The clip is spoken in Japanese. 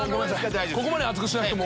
ここまで熱くしなくても。